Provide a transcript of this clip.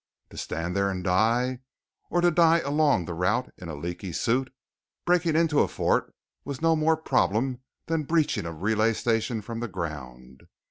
To stand there and die? Or to die along the route in a leaky suit? Breaking into a fort was no more problem than breaching a relay station from the ground.